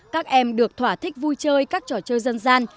các em được thỏa thích vui chơi các trò chơi dân gian